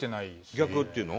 逆っていうの？